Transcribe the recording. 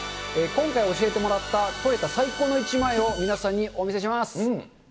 今回、教えてもらった撮れた最高の１枚を皆さんにお見せします。